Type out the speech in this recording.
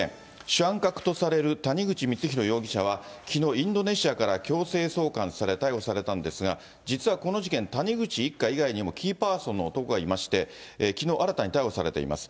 主犯格とされる谷口光弘容疑者は、きのう、インドネシアから強制送還され、逮捕されたんですが、実はこの事件、谷口一家以外にも、キーパーソンの男がいまして、きのう新たに逮捕されています。